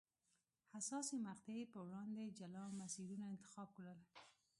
حساسې مقطعې په وړاندې جلا مسیرونه انتخاب کړل.